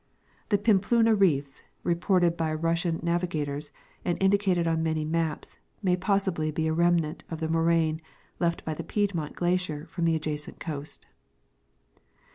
The Pimpluna reefs, reported by Russian navi gators and indicated on many maps, may possibly be a remnant of the inoraine left by the Piedmont glacier from the adjacent coast.